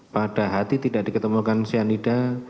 pada hati tidak diketemukan cyanida